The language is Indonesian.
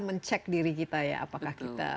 mencek diri kita ya apakah kita